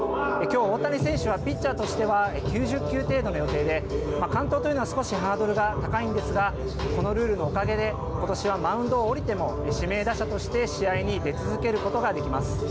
きょう、大谷選手はピッチャーとしては、９０球程度の予定で、完投というのは少し、ハードルが高いんですが、このルールのおかげで、ことしはマウンドを降りても、指名打者として試合に出続けることができます。